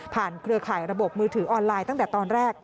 เครือข่ายระบบมือถือออนไลน์ตั้งแต่ตอนแรก